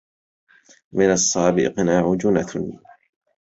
من الصعب إقناع جوناثن.